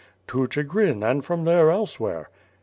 "To Chigrin, and from there elsewhere."